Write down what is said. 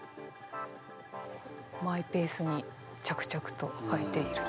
マイペースに着々と書いている。